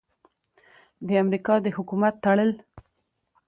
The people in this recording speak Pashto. د امریکا د حکومت تړل: